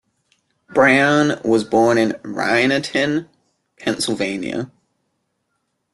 Brown was born in Reinerton, Pennsylvania.